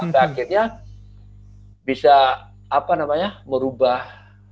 tapi akhirnya bisa apa namanya merubah